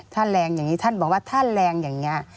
ถ้าแรงอย่างนี้ท่านบอกว่าถ้าแรงอย่างนี้